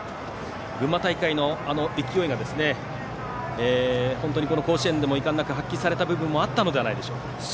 群馬大会の勢いが本当にこの甲子園でもいかんなく発揮された部分もあったのではないでしょうか。